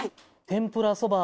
天ぷらそば？